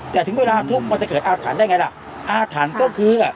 แต่ถึงเวลาทุกข์มันจะเกิดอาถรรพ์ได้ไงล่ะอาถรรพ์ก็คือ